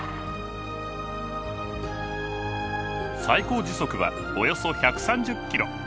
最高時速はおよそ１３０キロ。